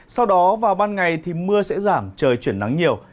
sau đó vào ban ngày thì mưa sẽ giảm trời chuyển nắng nhiều